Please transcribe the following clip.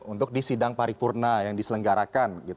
untuk di sidang paripurna yang diselenggarakan